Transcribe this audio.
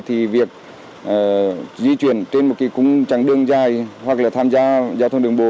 thì việc di chuyển trên một cung trắng đường dài hoặc là tham gia giao thông đường bộ